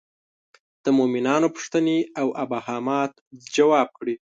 د مومنانو پوښتنې او ابهامات ځواب کړي.